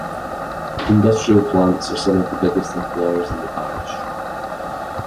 Industrial plants are some of the biggest employers in the parish.